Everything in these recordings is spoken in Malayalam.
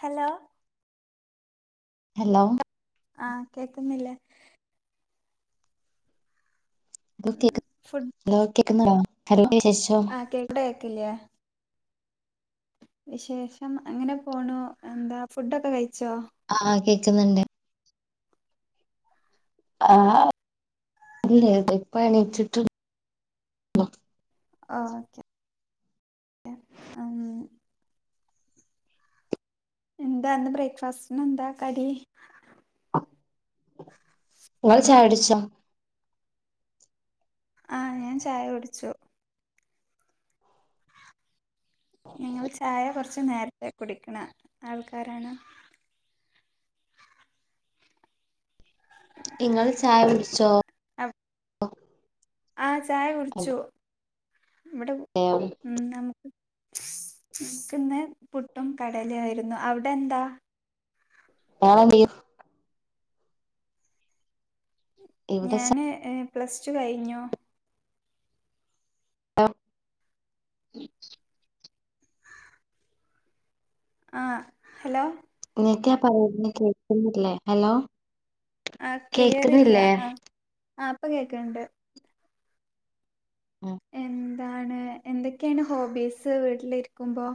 ഹലോ ഹലോ ആ കേക്കുന്നില്ലേ കേക്ക് ഹലോ കേക്കുന്നുണ്ടോ ഹലോ വിശേഷം ആ കേക്ക് അവിടെ കേക്കില്ലേ വിശേഷം അങ്ങനെ പോണു. എന്താ ഫുഡൊക്കെ കഴിച്ചോ ആഹ് കേക്കുന്നുണ്ട് ആ അ ഇപ്പ എണീച്ചിട്ട് പ്പോ ഓക്കെ ഉം എന്താന്ന് ബ്രേക്ക്ഫാസ്റ്റന് എന്താ കടി ങ്ങള് ചായട്ച്ചോ ആ ഞാൻ ചായ കുടിച്ചു [unintelligible] ഞങ്ങൾ ചായ കുറച്ചു നേരത്തെ കുടിക്കണ ആൾക്കാരാണ് ഇങ്ങൾ ചായട്ച്ചോ ആ ചായ കുട്ച്ചു വ്ടെ അതെയോ മ് നമക്ക് ക്ക്ന്ന് പുട്ടും കടലായിരുന്നു അവിടെന്താ [unintelligible] ഇവിടെ ഞാന് പ്ലസ്ടു കഴിഞ്ഞു അ ആ ഹലോ [unintelligible] കേക്ന്നില്ലേ ഹലോ ആ ക്ലിയർ ഇല്ല കേക്കുന്നില്ലേ ആ ആ പ്പൊ കേക്ണ്ട് ഉം എന്താണ് എന്തെക്കേണ് ഹോബീസ് വീട്ട്ലിര്ക്കുമ്പോ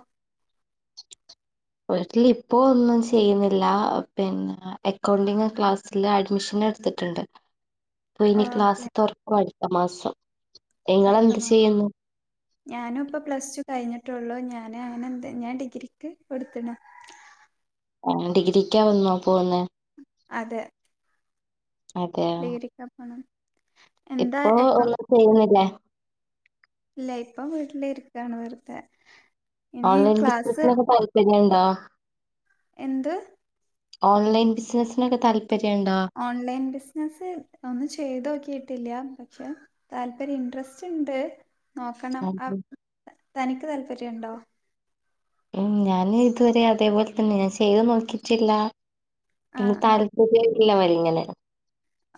വീട്ടില് ഇപ്പോ ഒന്നും ചെയ്യുന്നില്ല പിന്നെ അക്കൗണ്ടിംങ് ക്ലാസ്സില് അഡ്മിഷൻ നെട്ത്ട്ട്ണ്ട് പ്പൊനി ക്ലാസ് ഓക്കെ തുർക്കു അടുത്ത മാസം അടുത്ത നിങ്ങളെന്ത് മാ ചെയ്യുന്നു ഞാനുപ്പൊ പ്ലസ് ടു കഴിഞ്ഞ് റ്റൊള്ളു ഞാന് അങ്ങനെ എന്ത ഞാൻ ഡിഗ്രിക്ക് കൊടുത്ത്ണ് [unintelligible] ഡിഗ്രിക്കാവുന്നോ പോകുന്നെ? അതെ അതെയോ ഡിഗ്രിക്കാ പോണം. എന്താ ഇപ്പൊ എക്ക ഒന്നും ചെയ്യുന്നില്ലേ? ഇല്ല ഇപ്പം വീട്ടിലിരിക്കാണ് വെറ്തെ ഓൺലൈൻ ബിസിനസ്സിനൊക്കെ താല്പര്യണ്ടോ? എന്ത്? ഓൺലൈൻ ബിസിനസ്സിനൊക്കെ താൽ ഓൺലൈൻ ബിസിനസ്സ് ഒന്നും ചെയ്തോക്കിട്ടില്ല. പക്ഷെ താല്പര്യ ഇൻട്രസ്റ്റ്ണ്ട് നോക്കണം അവ് തനിക്ക് താല്പര്യണ്ടോ? ഉം ഞാന് ഇതുവരെ അതേപോലെ തന്നെയാ ഞാൻ ചെയ്ത് നോക്കീട്ടില്ല. ആ പിന്നെ താൽപര്യല്ല വല്ങ്ങനെ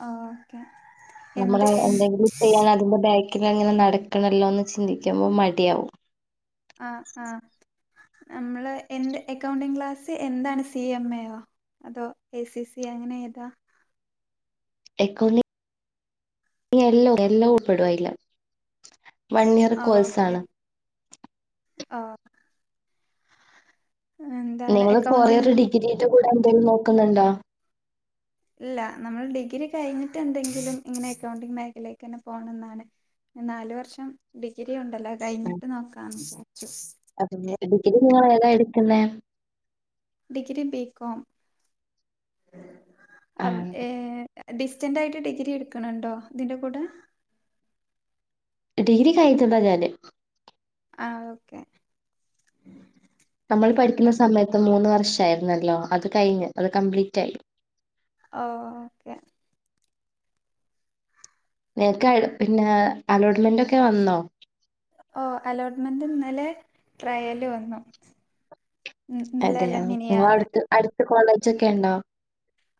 ആഹ് ഓക്കെ എന്ത് എന് പിന്നെ അങ്ങനെ നടക്കണല്ലോന്ന് ചിന്തിക്കുമ്പോ മടിയാവും ആഹ് ആഹ് നമ്മള് എന്ത് എക്കൗണ്ടിങ് ക്ലാസ്സ് എന്താണ് സി എം എയോ? അതോ എ സി സി എ അങ്ങനെ ഏതാ? എക്കൗണ്ടിങ് എല്ലാ എല്ലൊ ഉൾപ്പെടും അയില്. വൺ ഇയർ ആഹ് കോഴ്സ് ഓക്കെ ആണ്. ആഹ് എന്താണ് നിങ്ങളെ ഫോർയർ അക്കൗണ്ടിങ് ഡിഗ്രീൻ്റെ കൂടെ അനന്തപുരിയിൽ നോക്കുന്നുണ്ടോ ഇല്ല നമ്മൾ ഡിഗ്രി കഴിഞ്ഞിട്ട് എന്തെങ്കിലും ഇങ്ങനെ അക്കൗണ്ടിങ് മേഖലക്ക് തന്നെ പോണം എന്നാണ് നാലു വർഷം ഡിഗ്രി ഉണ്ടല്ലോ കഴിഞ്ഞിട്ട് നോക്കാനെ അ പിന്നെ ഡിഗ്രിങ്ങളേതാ എടെക്ക്ന്നേ ഡിഗ്രി ബികോം അം ആഹ് ഏഹ് ഡിസ്റ്റന്റ് ആയിട്ട് ഡിഗ്രി എടുക്കണ്ണ്ടോ തിന്റെ കൂടെ ഡിഗ്രി കഴിഞ്ഞതാ ഞാന് ആ ഓക്കെ മ്മൾ പഠിക്കുന്ന സമയത്ത് മൂന്ന് വർഷയിരുന്നല്ലോ അത് കഴിഞ്ഞ് അത് കംപ്ലീറ്റ് ആയി ഓ ഓക്കെ നേക്ക് പിന്നെ അലോട്ട്മെന്റക്കെ വന്നൊ ഓ അലോട്ട്മെന്റ്ന്നലെ ട്രയല് വന്നു ഇന്നലെ അതെയ അല്ല നിങ്ങ മിനിയാന്ന് അടുത്ത് അടുത് കോളേജൊക്കെണ്ടോ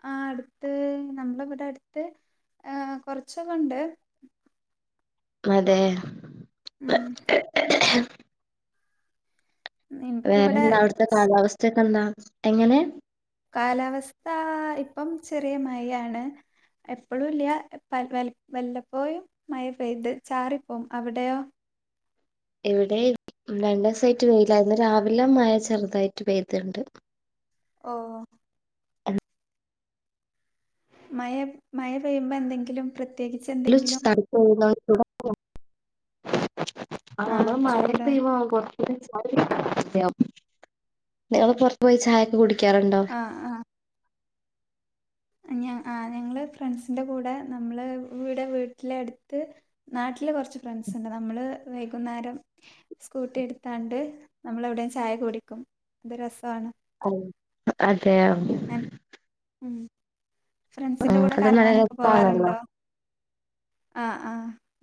ആ അടുത്ത് നമ്മള ഇവടെ അടുത്ത് ഏ കൊറച്ചകൊണ്ട് അതെ ഉം എനിക്കിവിടെ വേറെന്താ അവിടെത്തെ കാലാവസ്ഥക്കെ എന്താ എങ്ങനെ കാലാവസ്ഥ ഇപ്പം ചെറിയ മയാണ് എപ്പഴുല്ല വല്ലപ്പോയും മഴ പെയ്ത് ചാറിപ്പോവു അവിടെയോ ഇവിടെ ഇ മ് രണ്ട്സായിട് വെയില ഇന്ന് രാവിലെ മഴ ചെറുതായിട്ട് പെയ്തിണ്ട് ഓഹ് മയ മയ പെയ്യുമ്പോ എന്തെങ്കിലും പ്ര [unintelligible] ആ അവൻ മഴ പെയ്യുമ്പോൾ അവൻ പുറത്തൂടെ ചാ [unintelligible] പിന്നെ ഞങ്ങള് പുറത്ത് പോയി ചായയൊക്കെ കുടി ആഹ് ആഹ് ഞ ആ ഞങ്ങള് ഫ്രണ്ട്സിന്റെ കൂടെ നമ്മള് ഇവിടെ വീട്ടിലടുത്ത് നാ ട്ടില് കൊറച്ച് ഫ്രണ്ട്സ്ണ്ട് നമ്മള് വൈകുന്നേരം സ്കൂട്ടി എടുതാണ്ട് നമ്മൾ എവിടേ ചായ കുടിക്കും അത് രസാണ് അയ് അതെ അൻ ഉം ആ ഫ്രണ്ട്സ്ന്റെ കൂടെ അത് നല്ല കറങ്ങാനൊക്കെ രസാണല്ലോ. പോവാറുണ്ടോ ആ ആ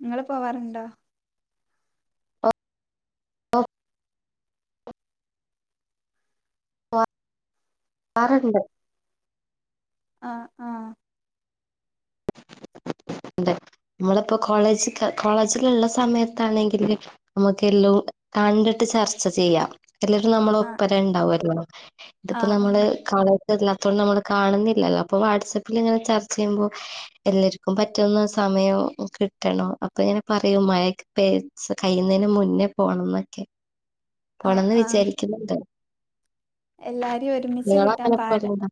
ങ്ങള് പോവാറ്ണ്ടോ ഓ വ പോവാറുണ്ട് ആ ആ ണ്ട് മ്മളിപ്പോ കോളേജ് കോളേജില്ള്ള സമയത്താണെങ്കില് നമുക്ക് എല്ലോ കണ്ട്ട്ട് ചർച്ച ചെയ്യാം എല്ലരും നമ്മള ആഹ് ഒപ്പരണ്ടാവൊല്ലോ ഇതിപ്പോ നമ്മള് ആഹ് കാ രല്ലാത്തോണ്ട് നമ്മള് കാണുന്നില്ലല്ലോ അപ്പൊ വാട്സ്സപ്പില് ഇങ്ങനെ ചർച്ചയ്മ്പോ എല്ലര്ക്കു പറ്റുന്ന സമയം കിട്ടണോ അപ്പങ്ങനെ പറയും മഴക്കെ പെയ്ത് കഴിയുന്നന് മുന്നേ പോണംന്നൊക്കെ ആഹ് പോണംന്ന് ആഹ് വിചാരിക്കുന്നുണ്ട് എല്ലാരെയും ഒരുമിച്ച് കിട്ടാൻ പാട [unintelligible]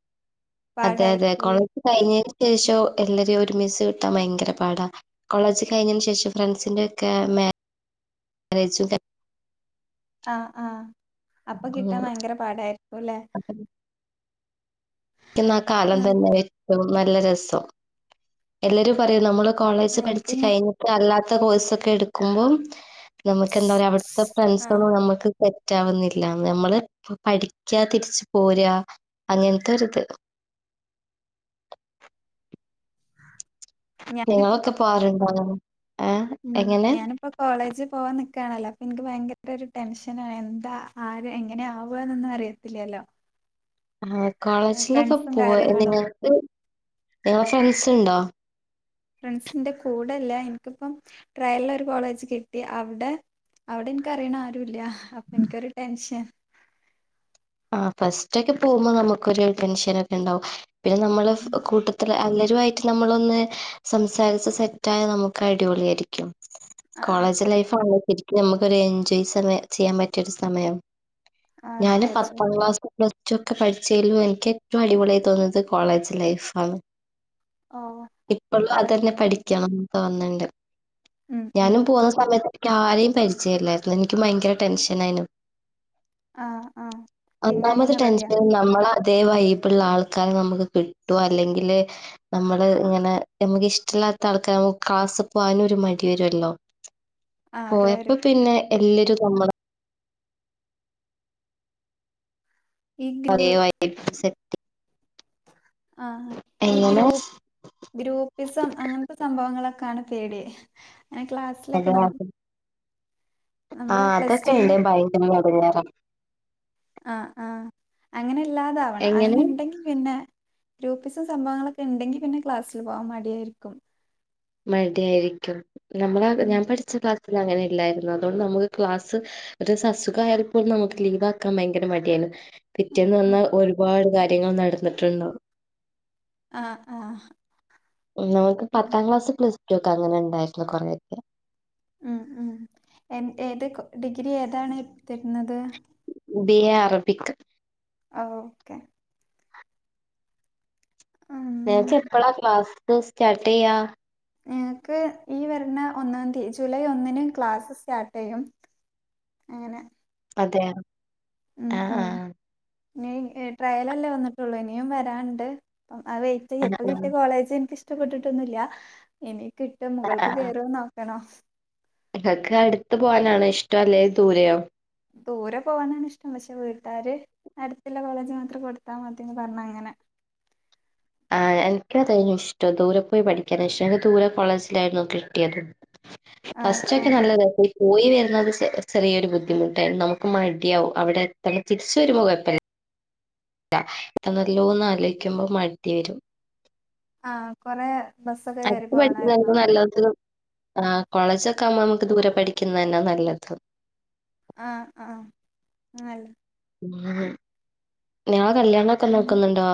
അതെ അതെ പാടായിരിക്കുംല്ലേ കൊളക്ക്‌ കഴിഞ് യേശോ എല്ലര ഒരുമിച്ച് ത്ത ഭയങ്കര പാടാ കോളേജ് കഴിഞ്ഞന് ശേഷം ഫ്രണ്ട്സിന്റെ ഒക്കെ മേ ആലോയ്ച്ചുടാ ആ ആ അപ്പ കിട്ടാൻ ഭയങ്കര പാടായിരിക്കുല്ലെ പ്പന്നാ ആ ആഹ് കാലല്ലെല്ലോ പോയ്‌ നല്ലരസം എല്ലരും പറയും നമ്മൾ കോളേജ് ആഹ് എനിക്ക് പഠിച്ച് ഇനി കഴിഞ്ഞിട്ട് അല്ലാത്ത കോഴ്സ് ഒക്കെ എടുക്കുമ്പം നമുക്ക് എന്താറയ അവിട്ത്തെ ആഹ് ഫ്രണ്ട്സളും നമുക്ക് റ്റാവുന്നില്ല നമ്മള് പഠിക്ക തിരിച്ച്പോരാ അങ്ങന അങ്ങനത്തൊരു ഇത് ഞാനിപ്പോ കൊ നിങ്ങളക്കെ പോര്ണ്ടാവൊ ഉം ഞാനിപ്പ കോളേജ് പോവാൻ നി കാണല്ലോ അപ്പൊ ഇൻക്ക് ഭയങ്കര ഒരു ടെൻഷനാ എന്താ ആരെ എങ്ങനെ ആവന്നൊന്നും അറിയത്തില്ലല്ലോ ആ കോളേജിലൊക്കെ ഫ്രണ്ട്സും പോ കാര്യങ്ങളും നിങ്ങക്ക് നിങ്ങളെ ഫ്രണ്ട്സ്ണ്ടോ ഫ്രണ്ട്സിന്റെ കൂടെല്ല ഇൻക്പ്പം ട്രയല്ലൊരു കോളേജ് കിട്ടി അവിടെ അവിടെ ഇൻക്കറിണ ആരുല്ല അപ്പൊ ഇൻക്കൊരു ടെൻഷൻ ആ ഫസ്റ്റ് ഒക്കെ പോകുമ്പോ നമുക്കൊരു ടെൻഷനക്കെണ്ടാവു പിന്നെ നമ്മള് കൂട്ടത്തിൽ അല്ലെ രുവായിട്ട് നമ്മളൊന്ന് സംസാരിച്ച് സെറ്റായ നമുക്ക് അടിപൊളി ആയിരിക്കും ആഹ് കോളേജ് അതെ ലൈഫ് അനുസരിക്കും നമുക്ക് ഒരു എൻജോയ് സമയ ചെയ്യാൻ പറ്റിയരു സമയം ആ തീർച്ചയ ക്ലാ പ്ലസ് ടു ഒക്കെ പഠിച്ചലും എനിക്ക് ഏറ്റവും അടിപൊളിയായി തോന്നുന്നത് കോളേജ് ലൈഫ്ണ് ഓ ഇപ്പോഴും കോളേജ് അതന്നെ പഠിക്കണം തോന്നിണ്ട് ഉം ഉം ഞാനും പോകുന്ന സമയത്ത് എനി ആരേും പരിചയമല്ലായിരുന്നു എനിക്ക് ഭയങ്കര ടെൻഷൻയിന് ആ ആ ഒന്നാമത് ടെൻഷൻ നമ്മള അതേ വൈബിൾള്ള ആൾക്കാരെ നമുക്ക് കിട്ടും അല്ലെങ്കില് നമ്മള് ഇങ്ങനെ നമക്ക് ഇഷ്ട അല്ലാത്ത ആൾക്കാര നമക്ക് ക്ലാസ് പോകാനും ഒരു മടി വരുമല്ലോ ആഹ് പോഓ അത് എപ്പൊ വരും പിന്നെ എല്ലരുും നമ്മള ഈ വ [unintelligible] ആ ഈ എങ്ങനെ ഗൂ് ഗ്രൂപ്പിസം അങ്ങനത്തെ സംഭവങ്ങളൊക്കാണ് പേടി അങ്ങനെ ക്ലാസ്സിലൊക്കെ അതെ നമ്മ അതെ ആ നമ്മുടെ പ്ലസ് അതൊക്കെ ടുവില് ഇണ്ട് ഭയങ്കരം എടങ്ങേറ ആ ആ അങ്ങനെല്ലാതാവണം എങ്ങനെ അങ്ങനെ ഉണ്ടെങ്കിൽ പിന്നെ ഗ്രൂപ്പിസും സംഭവങ്ങളൊക്കെ ഉണ്ടെങ്കി പിന്നെ ക്ലാസ്സില് പോവാാൻ മടിയായിരിക്കും മഴട ആായിരിക്കും നമ്മള ഉം ഞാൻ പഠിച്ച അങ്ങനെ ഇല്ലായിരുന്നു അതുകൊണ്ട് നമുക്ക് ക്ലാസ് ഒരു അസുഖ ആയപ്പോും നമുക്ക് ലീവ് ആക്കാൻ ഭയങ്കര മടിയായിരുന്നു പിറ്റേെന്ന് വന്ന ഒരുപാട് കാര്യങ്ങൾ നടന്നിട്ടുണ്ട് ആഹ ആഹ നമുക്ക് പത്താം ക്ലാസ് പ്ലസ് ടു ഒക്കെ അങ്ങനെ ഉണ്ടായിട്ടുള്ള കൊറെേ വ്യക്കം ഉം ഉം എ ഏത് ഡിഗ്രി ഏതാണ് തരുന്നത് ബ അറബിക് ആ ഓക്കെ ഉം ഞാച്ച എപ്പളാ ക്ലാസ് സ്റ്റാർട്ട് ചെയ്യാ നക്ക് വരുന്ന ഒന്നാം തീയതി ജൂലൈ ഒന്നിനന് ക്ലാസ്സ് സ്റ്റാർട്ട് ചെയ്യും അങ്ങനെ അതെ ഉം ഉം ഇനി ട്രയലല്ലേ വന്നിട്ടുള്ളൂ ഇനിയും വരാനണ്ട് അപ്പം ആ വെയിറ്റ് ചെയപ്പ കിട്ടിയ കോളേജ് എനിക്ക് ഇഷ്ടപ്പെട്ടിട്ടൊന്നില്ല എനി കിട്ട് ആ മുകൾക്ക് കയറോന്ന്ോക്കണോ നിങ്ങക്ക് അടുത്ത പോകാനാണ് ഇഷ്ടം അല്ലെ ദൂരെയോ ദൂരെ പോകാനാണ് ഇഷ്ടം പക്ഷെ വീട്ടുകാാര് അടുത്തുള്ള കോളേജ് മാത്രം കൊടുത്താൽ മതിന്ന് പറഞ്ഞ അങ്ങനെ [inaudible] ആ എനക്ക്ത ഇഷ്ടം ദൂരെ പോയി പഠിക്കാൻ എനിക്ക് ദൂരെ കോളേജിലായിരുന്നു കിട്ടിയത് ആഹ് ഫസ്റ്റ്ൊക്കെ ആഹ് നല്ലതായി പോയി വരുന്നത് ചെറിയൊരു ബുദ്ധിമുട്ടായി നമുക്ക് മടിയവുംും അവിടെ തന്നെ തിരിച്ചു വരുമ്പോയപ്പ ല്ല എണല്ലോന്ന് ആലോചിക്കുമ്പോൾ മഴത്തി വരും ആഹ കൊറെ ബസ്സൊക്കെ അടു കേറി പോണായിരുന്നോ പഠിച്ചതായിരുന്നു നല്ലും ആ കോളേജൊക്കെ ആവുമ്പോ നമുക്ക് ദൂരെ പഠിക്കുന്നതന്നാ നല്ലത് ആഹ ആഹ് ആല്ല ഉ ഞാൻ കല്യാണംൊക്കെ പിന്നെ നോക്കുന്നുണ്ടോ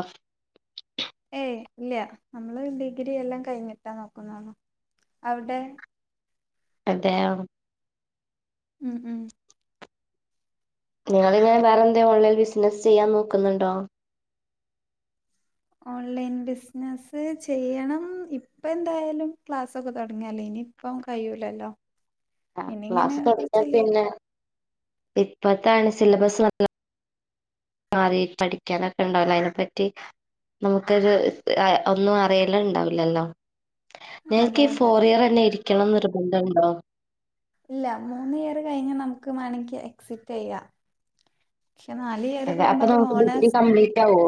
ഏയ് ഇല്ല നമ്മള് ഡിഗ്രി എല്ലാം കഴിഞ്ഞിട്ടാ നോക്കുന്നതണോ അവിടെ അതെ ഉം ഉം നിങ്ങളിങ്ങനെ വേറെന്ത ഓൺലൈൻ ബിസിനസ്സ് ചെയ്യാൻ നോക്കുന്നുണ്ടോ ഓൺലൈൻ ബിസിനസ് ചെയ്യണം ഇപ്പ എന്തായാലും ക്ലാസ്ൊക്കെ തുടങ്ങല്ലേ ഇപ്പം കഴിയൂലല്ലോ ആഹ് ഇനി ഇങ്ങനെ ക്ലാസ് തുടങ്ങിയ കൊറച്ച് ലീ പിന്നെ ഇപ്പത്താണ് സിലബസ് നല്ല മാറി പഠിക്കാനൊക്കെ ഉണ്ടാവല്ലേ അതിനെ പറ്റി നമുക്കൊരു ഒന്നും അറിയല് ഉണ്ടാവില്ലല്ലോ അതെ ഞങ്ങക്ക് ഈ അതെ ഫോറിയറ് തന്നെ ഇരിക്കണം നിർബന്ധമുണ്ടോ ഇല്ല മൂന്നിയർ കഴിഞ്ഞ നമുക്ക് വേണമെങ്കിൽ എക്സിറ്റ് ചെയ്യാം പക്ഷെ നാലിയർ അതെ പോകുമ്പോ അപ്പൊ അത് നമുക്ക് ഡിഗ്രി ഓണേഴസ് കംപ്ലീറ്റ് ആവോ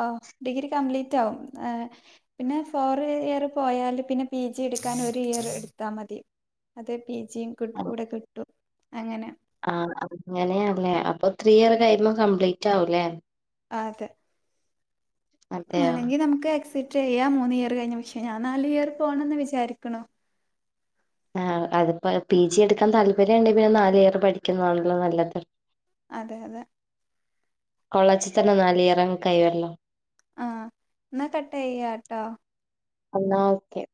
ഓ ഡിഗ്രി കംപ്ലീറ്റ് ആവും പിന്നെ ഫോർ ഇയർ പോയാല് പിന്നെ പി ജി എടുക്കാൻ ഒരു ഇയർ എടുത്താ മതി അത് പി ജിയും കൂടെ കിട്ടും അങ്ങനെ ആഹ് അങ്ങനെയാല്ലേ അപ്പൊ ത്രീ ഇയർ കഴിയുമ്പോ കംപ്ലീറ്റ് ആവൂല്ലേ ആതെ അതെയോ ആണെങ്കിൽ നമുക്ക് എക്സ് റ്റ് ചെയ്യാം മൂന്ന് ഇയർ കഴിഞ്ഞാൽ പക്ഷേ ഞാൻ നാല് ഇയർ പോണന്ന് വിചാരിക്കുണു ആഹ് അതിപ്പോ പി ജി എടുക്കാൻ താല്പര്യണ്ടെങ്കിൽ പിന്നെ നാല് ഇയർ പഠിക്കുന്നതാണല്ലോ നല്ലത് അതെ അതെ കൊളേജിൽ തന്നെ നാല് ഇയറങ്ങ് കഴിയുവല്ലോ ആഹ് എന്നാ കട്ട് ചെയ്യുവാ കേട്ടോ എന്നാ ഓക്കെ